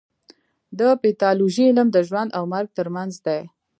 د پیتالوژي علم د ژوند او مرګ ترمنځ دی.